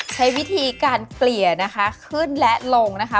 ใช้วิธีการเกลี่ยนะคะขึ้นและลงนะคะ